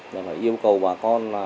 phải yêu cầu bà con